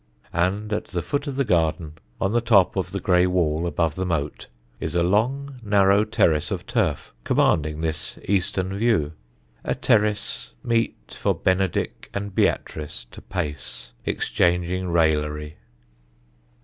And at the foot of the garden, on the top of the grey wall above the moat, is a long, narrow terrace of turf, commanding this eastern view a terrace meet for Benedick and Beatrice to pace, exchanging raillery.